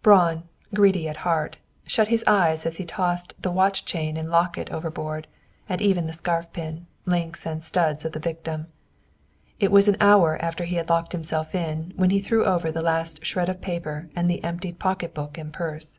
Braun, greedy at heart, shut his eyes as he tossed the watch chain and locket overboard, and even the scarf pin, links and studs of the victim. It was an hour after he had locked himself in when he threw over the last shred of paper and the emptied pocketbook and purse.